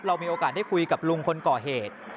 เรามีโอกาสได้คุยกับลุงคนก่อเหตุ